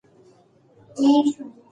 هغوی له پخوا راهیسې په دیني چارو بوخت وو.